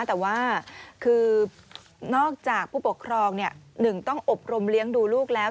แต่ว่าคือนอกจากผู้ปกครองหนึ่งต้องอบรมเลี้ยงดูลูกแล้ว